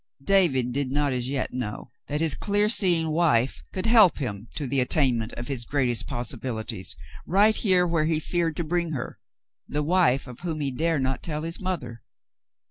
David did not as yet know that his clear seeing wife could help him to the attainment of his greatest possibili ties, right here where he feared to bring her — the wife of whom he dare not tell his mother.